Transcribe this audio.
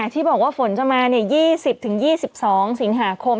ที่บอกว่าฝนจะมา๒๐๒๒สิงหาคม